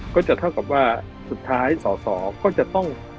ก็จะเท่ากับว่าสุดท้ายสอสอก็จะต้อง